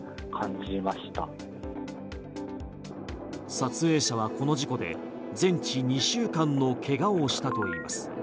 撮影者はこの事故で全治２週間の怪我をしたといいます。